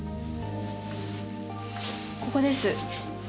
ここです。